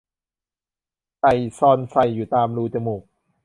ไต่ชอนไชอยู่ตามรูจมูก